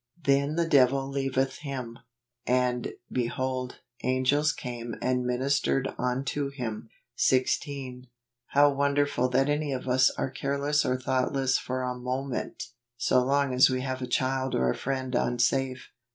" Then the devil leaveth him, and, behold , angels came and ministered unto him." 16. How wonderful that any of us are careless or thoughtless for a moment, so long as we have a child or a friend unsafe.